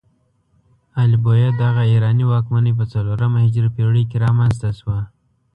ال بویه دغه ایراني واکمنۍ په څلورمه هجري پيړۍ کې رامنځته شوه.